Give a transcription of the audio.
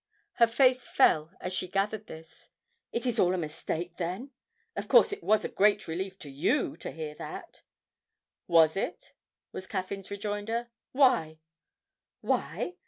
(her face fell as she gathered this). 'It is all a mistake, then? Of course it was a great relief to you to hear that?' 'Was it?' was Caffyn's rejoinder; 'why?' 'Why?